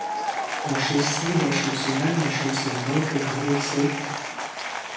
No šīs sēdēšanas un ravēšanas man palika galīgi slikti.